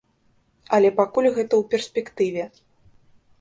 Але пакуль гэта ў перспектыве.